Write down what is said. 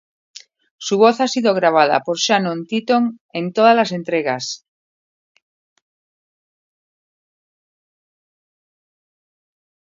Su voz ha sido grabada por Shannon Tilton en todas las entregas.